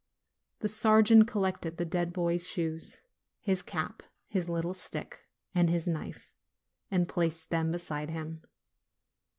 The sergeant collected the dead boy's shoes, his cap, his little stick, and his knife, and placed them beside him.